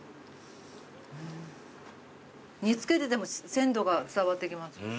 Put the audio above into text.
煮付けてても鮮度が伝わってきます。